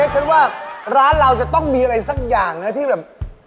ฉันว่าร้านเราจะต้องมีอะไรสักอย่างนะที่แบบ